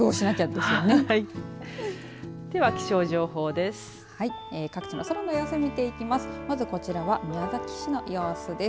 では、気象情報です。